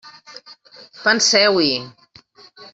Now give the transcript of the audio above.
Penseu-hi.